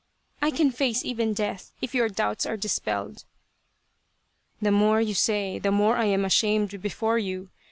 " I can face even death if your doubts are dispelled." " The more you say, the more I am ashamed before you.